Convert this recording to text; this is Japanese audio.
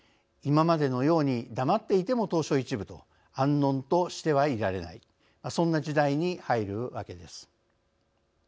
今までのように黙っていても東証１部と安穏としてはいられないそんな時代に入るわけです。